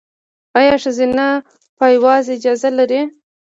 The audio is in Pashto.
ایا ښځینه پایواز اجازه لري؟